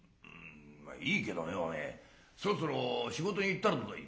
「まあいいけどよお前そろそろ仕事に行ったらどうだい」。